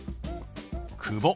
「久保」。